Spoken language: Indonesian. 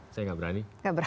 saya gak berani